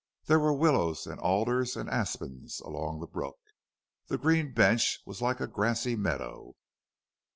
There were willows and alders and aspens along the brook. The green bench was like a grassy meadow.